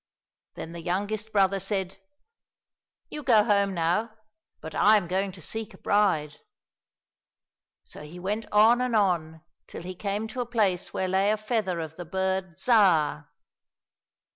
Then the youngest brother said, " You go home now, but I am going to seek a bride !" So he went on and on till he came to a place where lay a feather of the bird Zhar.